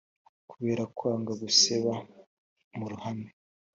Kubera kwanga guseba muruhame